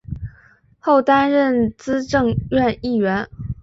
后担任资政院议员。